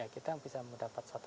kita bisa mendapatkan